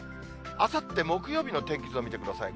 あさって木曜日の天気図を見てください。